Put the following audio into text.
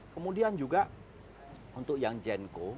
kemudian juga untuk yang gen co